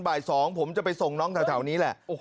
บ่าย๒ผมจะไปส่งน้องแถวนี้แหละ